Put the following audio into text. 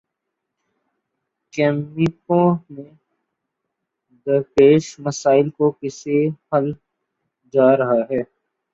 کیمپوں میں درپیش مسائل کو کیسے حل کیا جا رہا ہے؟